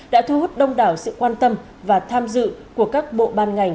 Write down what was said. đã thu hút đông đảo sự quan tâm và tham dự của các bộ ban ngành